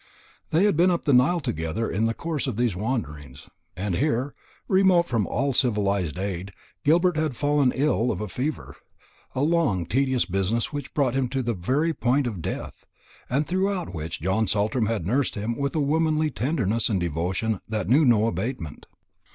They had been up the Nile together in the course of these wanderings; and here, remote from all civilized aid, Gilbert had fallen ill of a fever a long tedious business which brought him to the very point of death, and throughout which John Saltram had nursed him with a womanly tenderness and devotion that knew no abatement.